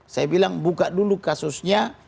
saya bilang buka dulu kasusnya